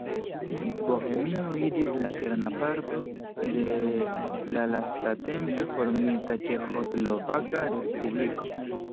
Bohemio iĝis la kerna parto de la lastatempe formita Ĉeĥoslovaka Respubliko.